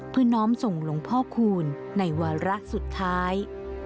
เพื่อน้องส่งหลงพ่อคูณในวาระสุดท้าย